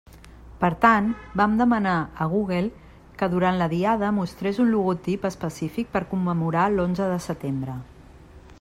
Per tant, vam demanar a Google que durant la Diada mostrés un logotip específic per commemorar l'onze de setembre.